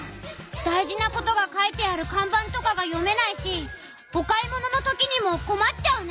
大事なことが書いてあるかんばんとかが読めないしお買い物のときにもこまっちゃうね。